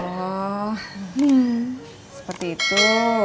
oh seperti itu